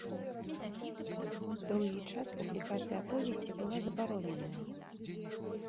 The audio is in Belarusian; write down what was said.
Доўгі час публікацыя аповесці была забароненая.